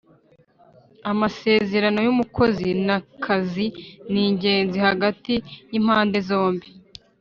Amasezerano yumukozi na kazi ni ingenzi hagati yimpande zombi